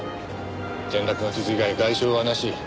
転落の傷以外に外傷はなし。